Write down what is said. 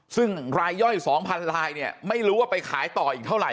ซึ่งรายย่อย๒๐๐๐รายเนี่ยไม่รู้ว่าไปขายต่ออีกเท่าไห